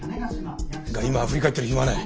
が今は振り返ってる暇はない。